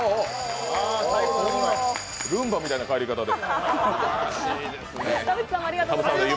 ルンバみたいな帰り方で。